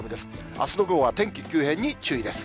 あすの午後は天気急変に注意です。